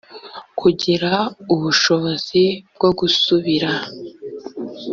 kugira ubushobozi bwo gusubira